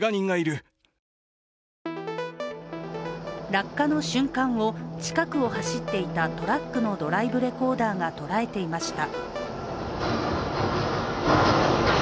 落下の瞬間を、近くを走っていたトラックのドライブレコーダーが捉えていました。